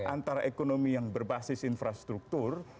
antara ekonomi yang berbasis infrastruktur